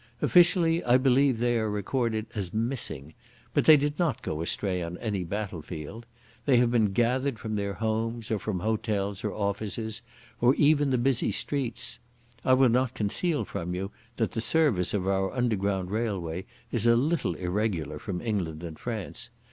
Officially I believe they are recorded as 'missing', but they did not go astray on any battle field. They have been gathered from their homes or from hotels or offices or even the busy streets. I will not conceal from you that the service of our Underground Railway is a little irregular from England and France.